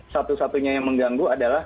satu satunya yang mengganggu adalah